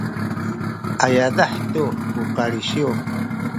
a yadah tu ku kalisiw